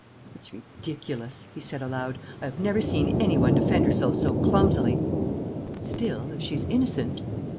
"It's ridiculous," he said, aloud. "I have never seen any one defend herself so clumsily." "Still, if she's innocent?"